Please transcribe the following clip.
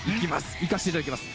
行かせていただきます。